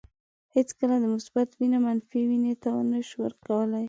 هیڅکله د مثبت وینه منفي وینې ته نشو ورکولای.